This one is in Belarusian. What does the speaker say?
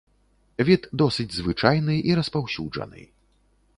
Від досыць звычайны і распаўсюджаны.